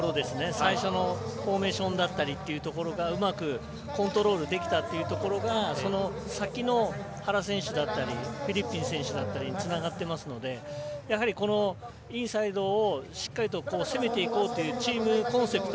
最初のフォーメーションだったりというところがうまくコントロールできたというところがその先の原選手だったりフリッピン選手につながっているのでやはり、インサイドをしっかりと攻めていこうというチームコンセプト